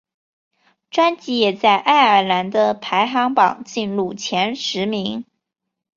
专辑也在爱尔兰的排行榜进入前十位。